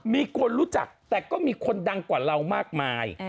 มีคนรู้จักแต่ก็มีคนดังกว่าเรามากมาย